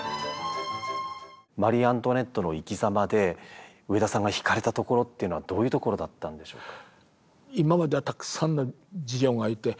マリー・アントワネットの生きざまで植田さんが引かれたところっていうのはどういうところだったんでしょうか？